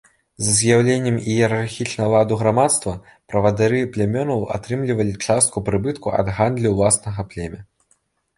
З з'яўленнем іерархічнага ладу грамадства, правадыры плямёнаў атрымлівалі частку прыбытку ад гандлю ўласнага племя.